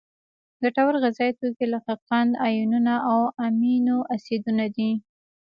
ګټور غذایي توکي لکه قند، آیونونه او امینو اسیدونه دي.